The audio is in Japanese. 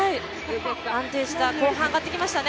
安定した後半上がってきましたね